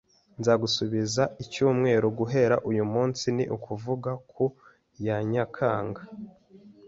Nzagusubiza icyumweru guhera uyu munsi, ni ukuvuga ku ya Nyakanga.